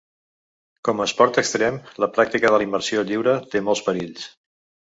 Com a esport extrem, la pràctica de la immersió lliure té molts perills.